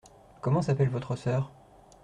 Comment s’appelle votre sœur ?